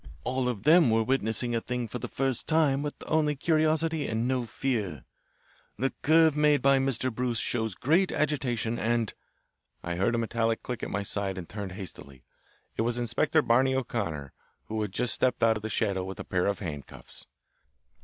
All of them were witnessing a thing for the first time with only curiosity and no fear. The curve made by Mr. Bruce shows great agitation and " I heard a metallic click at my side and turned hastily. It was Inspector Barney O'Connor, who had stepped out of the shadow with a pair of hand cuffs.